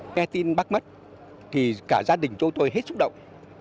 nghe tin bác mất thì cả gia đình chúng tôi hết xúc động